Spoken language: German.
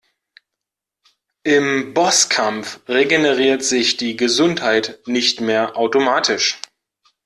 Im Bosskampf regeneriert sich die Gesundheit nicht mehr automatisch.